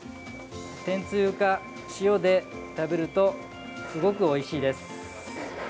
天つゆか、塩で食べるとすごくおいしいです。